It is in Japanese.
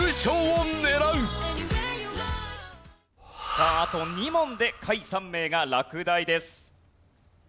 さああと２問で下位３名が落第です。